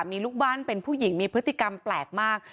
มีลูกบ้านเป็นผู้หญิงมีพฤติกรรมแปลกมาก